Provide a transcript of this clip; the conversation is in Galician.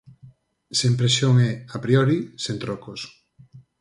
Sen presión e, a priori, sen trocos.